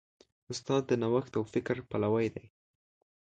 استاد د نوښت او فکر پلوی دی.